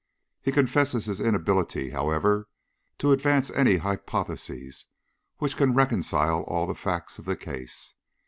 He confesses his inability, however, to advance any hypothesis which can reconcile all the facts of the case.